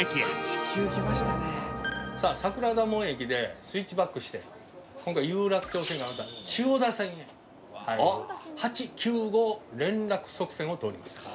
さあ桜田門駅でスイッチバックして今回有楽町線千代田線へ入る８・９号連絡側線を通ります。